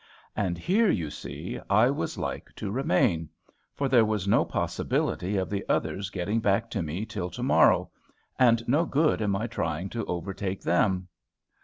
And here, you see, I was like to remain; for there was no possibility of the others getting back to me till to morrow, and no good in my trying to overtake them.